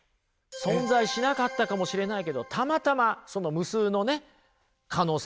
存在しなかったかもしれないけどたまたまその無数のね可能性